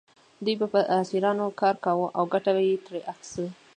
دوی به په اسیرانو کار کاوه او ګټه یې ترې اخیسته.